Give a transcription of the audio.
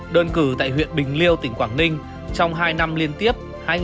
đơn cử tại huyện bình liêu tỉnh quảng ninh trong hai năm liên tiếp